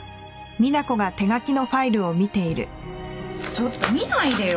ちょっと見ないでよ。